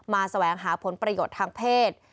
แสวงหาผลประโยชน์ทางเพศ